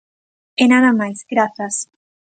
E nada máis, grazas.